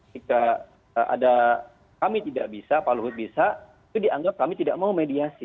jika ada kami tidak bisa pak luhut bisa itu dianggap kami tidak mau mediasi